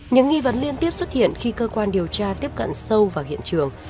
những nghi vấn liên tiếp xuất hiện khi cơ quan điều tra tiếp cận sâu vào hiện trường